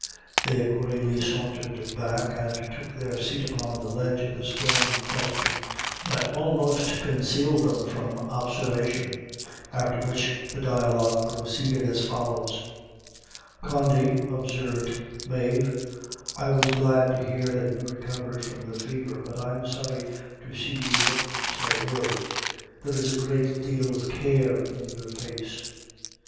They accordingly sauntered back, and took their seat upon a ledge of the stone in question, that almost concealed them from observation; after which the dialogue proceeded as follows: "Condy," observed Mave, "I was glad to hear that you recovered from the fever; but I'm sorry to see you look so ill: there is a great deal of care in your face."